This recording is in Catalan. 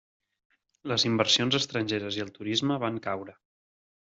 Les inversions estrangeres i el turisme van caure.